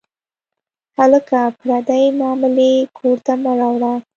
هلکه، پردۍ معاملې کور ته مه راوړه.